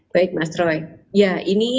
baik mas troy ya ini